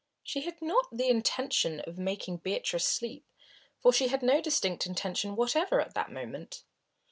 She had not had the intention of making Beatrice sleep, for she had no distinct intention whatever at that moment.